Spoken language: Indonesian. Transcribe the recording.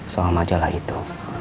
soal majalah itu